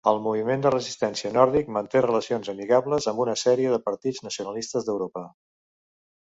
El Moviment de Resistència Nòrdic manté relacions amigables amb una sèrie de partits nacionalistes d'Europa.